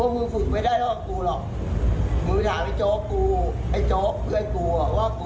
บอกว่าโจ๊กเพื่อนตัวว่า